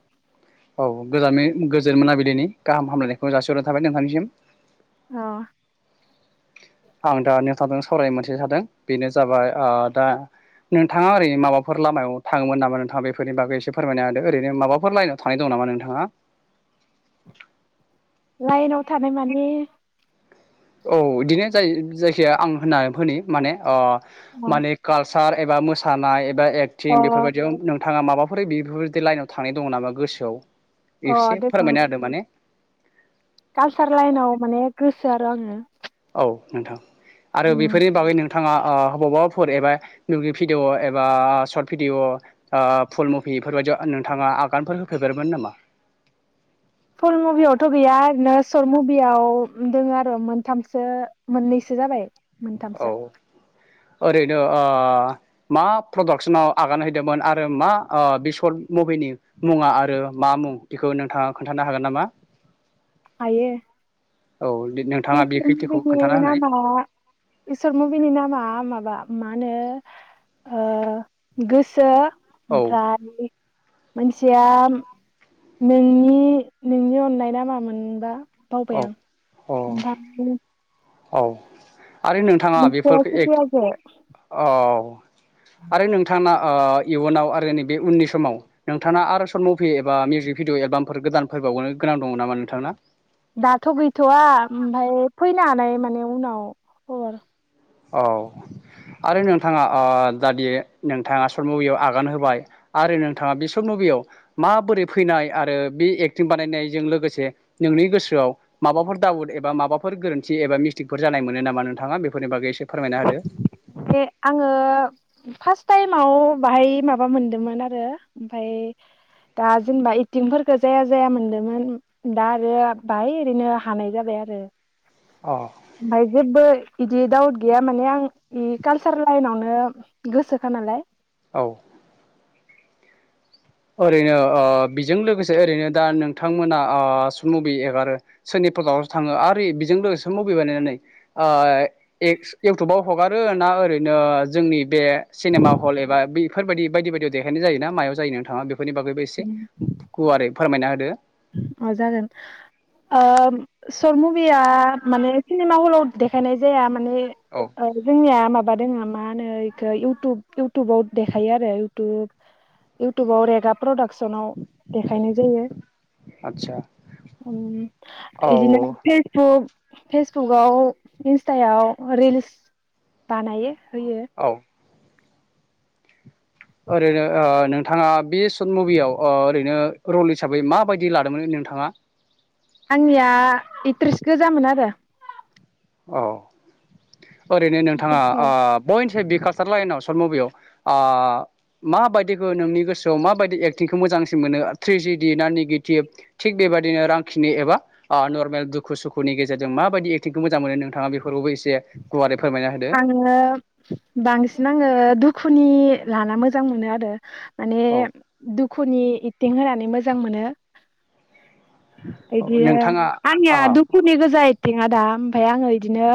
[inaudible] औ गोजानै गोजोन मोनाबिलिनि गाहाम हामलायनायखौ जासिहरनाय थाबाय नोंथांनिसिम ओ आं दानो सावराय मोनसे सादों बेनो जाबाय ओ दा नोंथाङा ओरै माबाफोर लामायाव थाङोमोन नामा नोंथाङा बेफोरनि बागै एसे फोरमायना होदो ओरैनो माबाफोर लाइनाव थानाय दं नामा नोंथाङा [inaudible] लाइनाव थानाय माने औ इदिनो जाय जायखिया आं होनना होनि माने ओ माने कालसार एबा मोसानाय एबा एक्टिं अ बेफोरबायदियाव नों थाङा माबाफोर बेफोरबायदि लाइनाव थांनाय दङ नामा गोसोआव अ एसे फोरमायना होदो माने कालचार लाइनाव माने गोसो आरो आङो औ नोंथां आरो बेफोरनि बागै नों थाङा औ बबावबाफोर एबा नोयि भिडिअ एबा सर्ट भिडिअ फुल मुभि बेफोरबायदियाव नोंथाङा आगानफोर होफेरबाय नामा? फुल मुभियावथ' गैया आरोना सर्ट मुभियाव दङ आरो मोनथामसो मोननैसो जाबाय। औ मोनथामसो ओरैनो ओ मा प्रडाक्सनाव आगान हैदोंमोन आरो मा ओ बे सर्ट मुभिनि मुं मुङा आरो मा मुं बेखौ नोंथाङा खोन्थानो हागोन नामा हायो औ नोंथाङा बे खैथिखौ खोन्थाना बेसे होनाय नामा [unintelligible] इसोर सर्ट मुभिनि नामा माबा मा होनो ओ गोसो औ ओमफ्राय मोनसिया नोंनि नोंनि अननाय ना मामोनबा बावबाय औ आं अ ओमफ्राय औ आरो नोंथाङा मोनसेया बेफोरखौ ए सिफियाजे औ आरो नोंथाङा ओ इयुनाव आरो नैबे उननि समाव नोंथाङा आरो सर्ट मुभि एबा मिउजिक भिडिअ एलबामफोर गोदानफोर फैबावनो गोनां दङ नामा नोंथांना दाथ' गैथ'वा ओमफ्राय फैनो हानाय माने उनाव खबर औ आरो नोंथाङा ओ दादि नोंथाङा शर्ट मुभियाव आगान होबाय आरो नोंथाङा बि सर्ट मुभि याव माबोरै फैनाय आरो बे एक्टिं बानायनायजों लोगोसे नोंनि गोसोआव माबा माबाफोर दावद माबाफोर गोरोनथि एबा मिस्टिफोर जानाय मोनो नामा नोंथा बेफोरनि बागै फोरमायना होदो। आङो फार्स्ट टाइम माव बाहाय माबा मोनदोंमोन आरो ओमफाय दा जेनेबा एखथिंफोरखौ जाया जाया मोनदोंमोन दा आरो बाहाय ओरैनो हानाय जाबाय। आरो अ । ओमफ्राय जेबो बिदि डाउट गैया माने आं कालसार लाइनावनो गोसोखा नालाय औ । ओरैनो ओ बेजों लोगोसे ओरैनो दा नोंथांमोना ओ सर्ट मुभि एगारो सोरनि थाङो आरो बेजों लोगोसे सर्ट मुभि बानायनानै ओ एक्स इउटुबाव हगारो ना हा ओरैनो जोंनि बे सिनेमा हल एबा बेफोरबायदि बायदि बायदियाव देखायनाय जायोना मायाव जायो? थाङा बेफोरनि बागैबो एसे गुवारै फोरमायना होदो अ जागोन । ओ शर्ट मुभिया माने सिनेमा हलाव देखायनाय जाया मा माने आदसा औ जोंनिया माब माबा दङो मा होनो एखो इउटुब इउटुबाव देखायो आरो इउटुब इउटुबाव रेगा प्रडाक्सनाव देखायनाय जायो । आदसा ओम औ बिदिनो फेसबुग बुक फेसबुकाव इन्सटायाव रिल्स बानायो । होयो औ ओरैनो ओ नोंथाङा बे सर्ट मुभियाव ओ ओरैनो रल हिसाबै माबायदि लादोंमोन? नोंथाङा आंनिया इट्रिस गोजामोन आरो । औ ओरैनो नोंथाङा ओ बयनि बे कालसार लाइनाव सर्ट मुभियाव ओ माबायदिखौ नोंनि गोसोआव माबायदि एक्टिंखौ मोजां सिन मोनो थ्रेजिडि ना नेगेथिभ थिग बेबायदिनो रांखिनि एबा ओ नर्मेल दुखु सुखु दुखुनि गेजेरजों माबायदि एक्टिंखौ मोजां मोनो नोंथाङा बेखौ आंङो बांसिन आंङो दुखु खुनि लाना मोजां मोनो आरो माने औ दुखुनि एक्टिं होनानै मोजां मोनो । औ बिदिनो नोंथाङा आंनिया आ दुखुनि गोजा एदटिंङादा ओमफाय आंङो इदिनो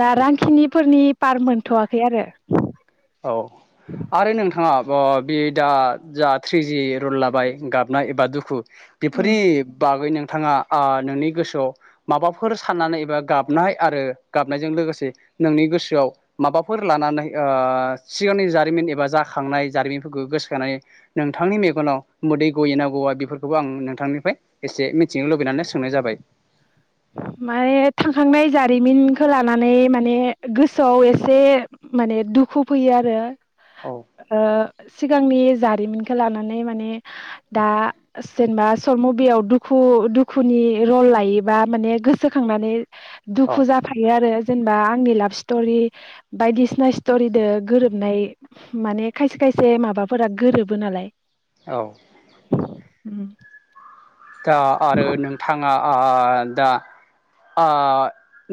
दा रांखिनिफोरनि पार मोनथ'वाखै आरो औ आरो नोंथाङा अ बे दा जा थ्रिजि रल लाबाय गाबनाय एबा दुखु उम बेफोरनि बागै नोङो थाङा ओ नोंनि गोसोआव माबाफोर साननानै एबा गाबनाय आरो गाबनायजों लोगोसे नोंनि गोसोआव माबाफोर लानानै ओ सिगांनि जारिमिन एबा जाखांनाय जारिमिनफोरखौ गोसोखानै नोंथांनि मेगनाव मोदै गयोना गवा बेफोरखौबो आं नोंथांनिफ्राय एसे मिथिनो लुबैनानै सोंनाय जाबाय । माने थांखांनाय जारिमिनखौ लानानै माने गोसोआव एसे माने दुखु फैयो आरो औ ओ सिगांनि जारिमिनखौ लानानै माने दा जेनेबा सर्ट मुभियाव दुखु दुखुनि रल लायोबा माने गोसोखांनानै औ दुखु जाफायो आरो । जेनेबा आंनि लाभ स्ट'रि बायदिसिना स्टरिद गोरोबनाय माने खायसे खाय से माबाफोरा गोरोबो नालाय औ । उम्म । दा आरो नोंथाङा ओ दा ओ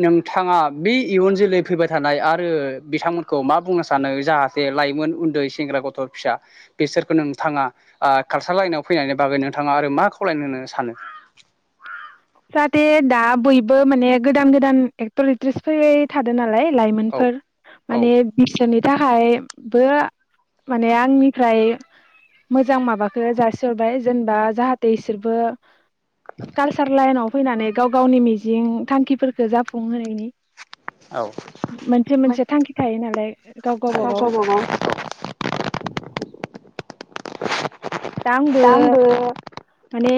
नोंथाङा बे इयुन जोलै फैबाय थानाय आरो बिथांमोनखौ मा बुंनो सानो जाहाथे लाइमोन उन्दै सेंग्रा गथ' फिसा बिसोरखौ नोंथाङा कालसार लाइनाव फैनायनि बागै नोंथाङा आरो मा खावलायनो होननानै सानो? जाहाथे दा बयबो माने गोदान गोदान एक्टर एक्ट्रिस फैबाय थादोंना लाय औ लाइमोनफोर औ माने बिसोरनि थाखाय खायबो माने आंनिफ्राय मोजां माबाखो जासिहरबाय जेनेबा जाहाथे इसोरबो काल सार लाइनाव फैनानै गाव गावनि मिजिं थांखिफोरखौ जाफुंहोनायनि औ [inaudible] मोनसे मोनसे थांखि थायो नालाय गाव गावबागाव। [inaudible] दा आंबो माने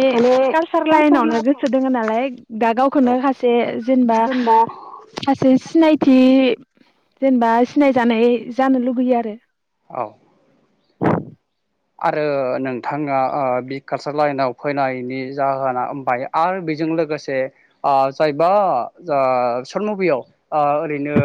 कालसार लाइनावनो गोसो दोङो नालाय दा गावखोनो खासे जेनबा [unintelligible] सासे सिनायथि जेनेबा सिनायजानाय जानो लुुगैयो आरो। औ आरो नोंथाङा ओ बि कारसार लाइनाव फैनायनि जाहोनाबाय आरो बे जों लोगोसे ओ जायबा ओ सर्ट मुभियाव ओ ओरैनो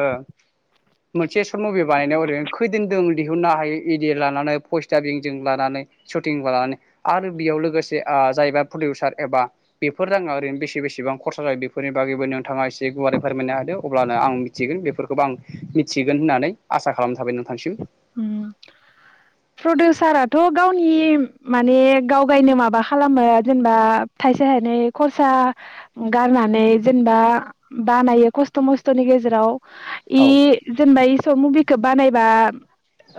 मोनसे सर्ट मुभि बानायनायाव ओरैनो खैदिनदों दिहुननो हायो इदिये लानानै भइस दाबिं जों लानानै सटिं लानानै आरो बेयाव लोगोसे ओ जायबा प्रडिउसार एबा बेफोर जाङा ओरैनो बेसे बेसेबां खरसा जायो बेफोरनि बागैबो नोंथाङा एसे गुवारै फोरमायनो हादों अब्लानो आं मिथिगोन बेफोरखौबो आं मिथिगोन होननानै आसा खालाम थाबाय नोंथांसिम। होम। [inaudible] प्रडिउसाराथ' गावनि माने गाव गायनो माबा खालामो जेनेबा थाइसे थाइ नै खरसा गारनानै जेनेबा बानायो खस्थ' मस्थ'नि गेजेराव औ इ जेनबा इ सर्ट मुभिखौ बानायबा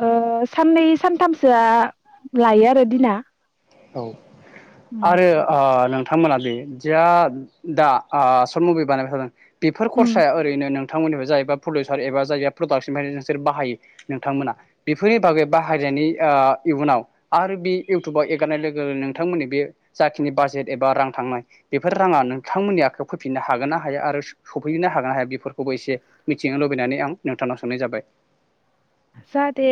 ओ साननै सानथामसोआ लायो आरो दिना। औ आरो ओ नों थांमोना बे जा दा ओ सर्ट मुभि बानायबाय थादों बेफोर उम खरसाया ओरैनो नों थांमोननिफ्राय जायबा प्रलिउसार एबा जाया प्रडाक्सननि नोंसोर बाहायो नोंथांमोना बेफोरनि बागै बाहाय नि ओ इयुनाव आरो बि इउटुबाव एक गारनाय लोगो लोगो नोंथांमोननि बे जाखिनि बाजेट एबा रां थांनाय बेफोर राङा नोंथांमोननि आखायाव फैफिननान हागोन ना हाया आरो स-सफैनो हागोन ना हाया बेफोरखौबो एसे मिथिनो लुबैनानै आं नोंथांनाव सोंनाय जाबाय। [inaudible] जाहाथे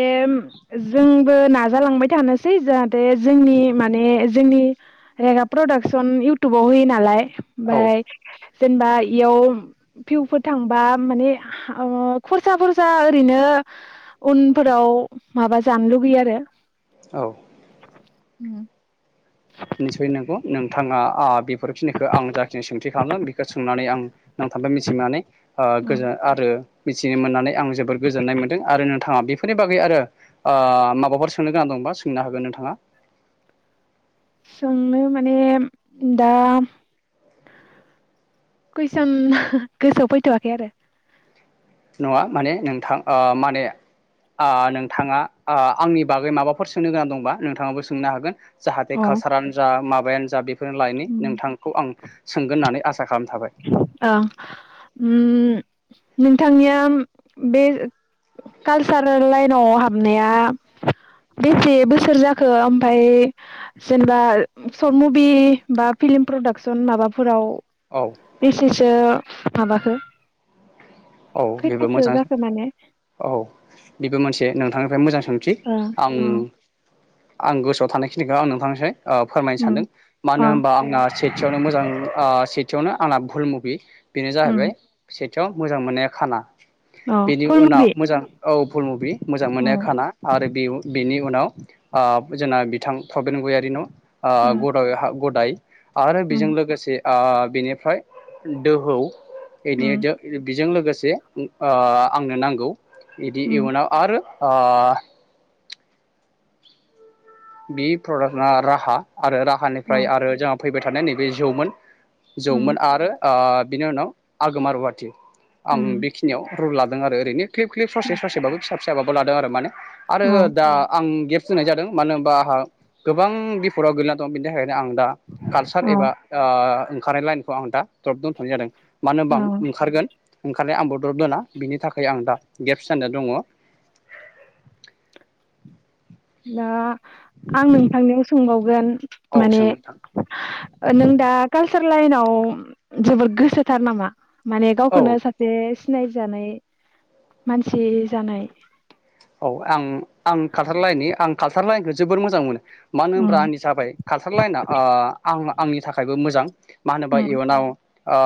जोंबो नाजालांबाय थानोसै जाहाथे जोंनि माने जोंनि रेगा प्रडाक्सन इउटुबाव होयो नालाय औ बाय जेनेबा इयाव भिउफोर थांबा माने ओ खरसा खरसा ओरैनो [unintelligible] उनफोराव माबा जानो लुगैयो आरो। औ। उम। निस्सय नंगौ नोंथाङा आ बेफोरखिनिखौ आं जाखिनि सोंथि खालामदों बेखौ सोंनानै आं नों [unintelligible] ओ गोजोन आरो मिथिनो मोननानै आं जोबोर गोजोननाय मोनदों आरो नोंथाङा बेफोर नि बागै आरो ओ माबाफोर सोंनो गोनां दंबा सोंनो हागोन नोंथाङा। सोंनो माने दा कुइसन गोसोआव फैथ'वाखै आरो। नङा माने नोंथां ओ माने ओ नोंथाङा ओ आंनि बागै माबाफोर सोंनो गोनां दंबा नोंथाङाबो सोंनो हागोन। जाहाथे अ कालसारानो जा माबायानो जा बेफोरनि लायननि नोंथांखौ आं सोंगोन होननानै आस ओ उम नोंथांनिया बे कालसारेल लाइनाव हाबनाया बेसे बोसोर जाखो ओमफाय जेनेबा सर्ट मुभि बा फिल्म प्रडाक्सन माबाफोराव औ बेसेसो माबाखो? औ बेबो खैथासो मोजां जाखो माने औ बेबो मोनसे नोंथांनिफ्राय मोजां सों थि ओ आं अ आं गोसोआव थानायखिनिखो आं नोंथांनोसै ओ फोरमायनो उम सानदों मानो अ होमबा आंना सेथियावनो मोजां ओ सेथियावनो आंना भुल मुभि बेनो जाहैबाय उम सेथियाव मो जां मोननाया खाना अ बेनि फुल उनाव मुभि मोजां औ भुल मुभि मोजां मोननाया उम खाना आरो बेव बेनि उनाव ओ जोंना बिथां प्रबेन गयारि न' आ उम ग'दग हा गदाय आरो उम बेजों लोगोसे आ बिनिफ्राय दोहौ एनि उम [unintelligible] बिजों लोगोसे उम ओ आंनो नांगौ इदि उम इयुनाव आरो ओ बि प्रडाक्टआ राहा आरो राहानिफ्राय अ आरो जोंहा फैबाय थानाय नैबे जौमोन जौमोन उम आरो ओ बिनि उनाव आगोमा रुवाटि आं बेखिनियाव रुल लादों आरो ओरैनो क्लिप क्लिप ससे उम ससेबाबो फिसा फिसाबाबो लादों आरो माने आरो अ दा आं गिफ्टस होननाय जादों मानो बा आहा गोबां बिफदाव गोलैना दं बिनि थाखायनो आं दा कालसार अ एबा ओ ओंखारनाय लाइनखौ आं दा द्रप दंथ'नाय जादों मानो होनबा आं अ ओंखारगोन ओंखारनाय आंबो द्रब दोना बिनि थाखाय आं दा गेप्स जाना दङ। [unintelligible] दा आं नोंथांनियाव सोंबावगोन औ माने सों नोंथां ओ नों दा खाल सार लाइनाव जोबोद गोसोथार नामा माने औ गावखौनो सासे सिनाय जानाय मानसि जानाय? औ आं आं कालचार लाइननि आं कालचार लाइनखौ जोबोर मोजां मोनो। मानो होमब्रा उम आंनि जाबाय कालसार लाइनआ ओ आं आंनि थाखायबो मोजां मा होनोबा उम इयुनाव ओ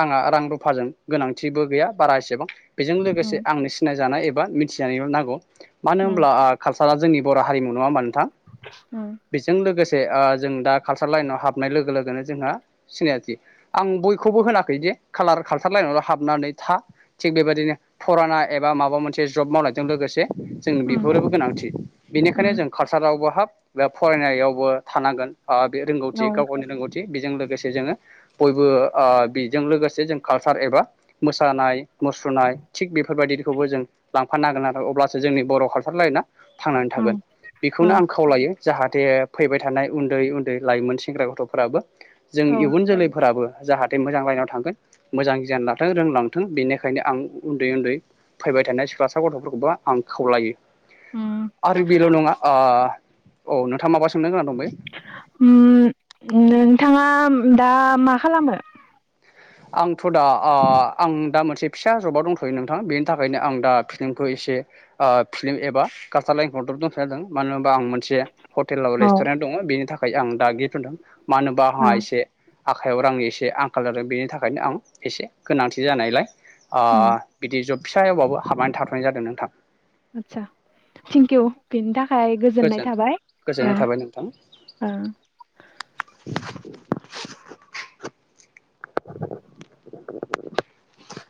आंहा रां रुफाजों गोनांथिबो गैया बारा एसेबां। बेजों लोगोसे उम आंनो सिनाय जानाय एबा मिथिजानाय नांगौ मानो उम होनब्ला काल सारा जोंनि बर' हारिमु। नङा होमबा नोंथां? उम बेजों लोगो से ओ जों दा कालसार लाइनाव हाबनाय लोगो लोगोनो जोंहा सिनायाखि आं बयखौबो होनाखैदि कालार कालसार लाइनावल' हाबनानै था थिग बेबायदिनो फुराना एबा माबा मोनसे जब मावनाय जों लोगोसे जों उम बेफोरोबो गोनांथि बेनिखायनो उम जों कालसारावबो हाब बे फरायनायावबो थानांगोन बे रोंगौथि औ गाव गावनि रोंगौथि बेजों लोगोसे जोङो बयबो ओ बेजों लोगोसे जों कालसार एबा मोसानाय मुस्रुनाय थिग बेफोरबायदिखौबो जों लांफानो हागोन आरो अब्लासो जोंनि बर' कालसार लाइना थांनानै थागोन उम औ ।बेखौनो आं खावलायो जाहाथे फैबाय थानाय उन्दै उन्दै लाइमोन सेंग्रा गथ'फोराबो जों औ इयुन जोलैफोराबो जाहाथे मोजां लाइनाव थांगोन मोजां गियान लाथों रोंलांथों बेनिखायनो आं उन्दै उन्दै फैबाय फरायबाय थानाय सिख्लासा गथ'फोरखौबो आं खावलायो उम आरो बेल' नङा ओ औ नोंथाङा माबा सोंनो गोनां? दंबायो उम नोंथाङा दा मा खालामो? आंथ' दा ओ आं दा मोनसे फिसा जबाव दंथ'यो नोंथां बेनि थाखायनो आं दा फिल्मखौ एसे मोनसे फिल्म एबा कालसार लाइनखौ दोथनाय जादों। मानो होनबा आं मोनसे हटेल बा औ रेस्टुरेन्ट दङ बेनि थाखाय आं दा गिफ्ट होनदों मानो होनोबा आंहा ओ एसे आखायाव रांनि एसे आंखाल जादों बेनि थाखाय ओंखायनो आं एसे गोनांथि जानायलाय ओ उम बिदि जब फिसा एवबाबो हाबनानै थाथ'नाय जादों नोंथां। आतसा। थिंकउ बिनि‌ था थाखाय गोजोननाय गोजोन थाबाय। गोजोननाय औ थाबाय नोंथां औ। [unintelligible] [unintelligible]